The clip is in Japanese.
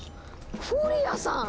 フォリアさん！